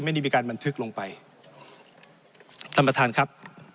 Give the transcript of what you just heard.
ไม่ได้มีการบันทึกลงไปท่านประธานครับ